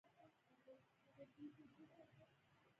هلته ټولې سرچینې د بورې تولید لپاره ځانګړې شوې وې